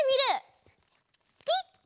ピッ！